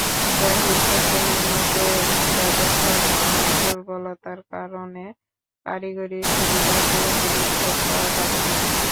জাহিদ হোসেনের মতে, ব্যবস্থাপনায় দুর্বলতার কারণে কারিগরি-সুবিধা পুরোপুরি ভোগ করা যাচ্ছে না।